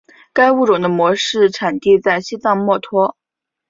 该物种的模式产地在西藏墨脱。